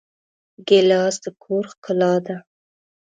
ګیلاس د کور ښکلا ده.